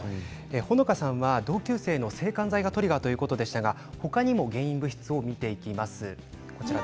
ほのかさんは同級生の制汗剤がトリガーということでしたが他の原因物質を見ていきます。